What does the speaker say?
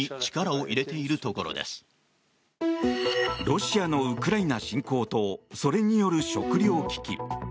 ロシアのウクライナ侵攻とそれによる食糧危機。